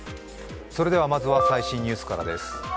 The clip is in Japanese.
それではまずは最新ニュースからです。